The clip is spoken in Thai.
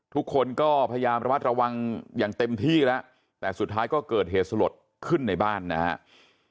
ทุกคนก็พยายามระมัดระวังอย่างเต็มที่แล้วแต่สุดท้ายก็เกิดเหตุสลดขึ้นในบ้านนะครับ